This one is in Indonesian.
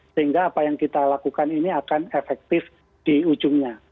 sehingga apa yang kita lakukan ini akan efektif di ujungnya